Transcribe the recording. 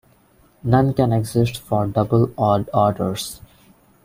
None can exist for double odd orders.